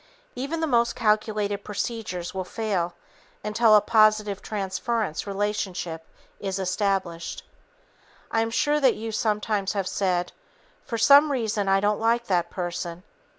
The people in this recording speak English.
Even the most calculated procedures will fail until a positive transference relationship is established. I am sure that you sometimes have said, "For some reason I don't like that person."